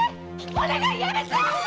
お願いやめて‼